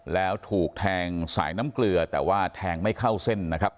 แล้วถูกแทงสายน้ำเกลือแต่ว่าแทงไม่เข้าเส้นนะครับ